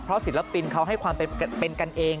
ศิลปินเขาให้ความเป็นกันเอง